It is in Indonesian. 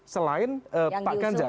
selain pak ganjar